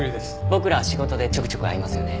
僕らは仕事でちょくちょく会いますよね。